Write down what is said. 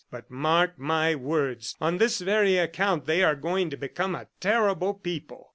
But, mark my words, on this very account they are going to become a terrible people!"